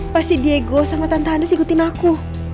pasti diego sama tante anda ikutin aku